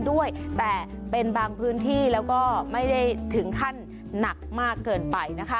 ด้วยแต่เป็นบางพื้นที่แล้วก็ไม่ได้ถึงขั้นหนักมากเกินไปนะคะ